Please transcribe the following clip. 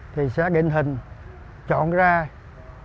thì sẽ định hình chọn ra những mô hình trọng điểm có tính ưu tiên được phá cho mình